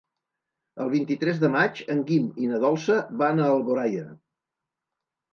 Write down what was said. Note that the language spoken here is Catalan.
El vint-i-tres de maig en Guim i na Dolça van a Alboraia.